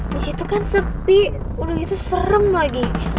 disitu kan sepi udah gitu serem lagi